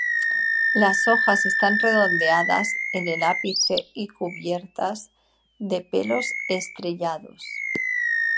Las hojas están redondeadas en el ápice y cubiertas de pelos estrellados.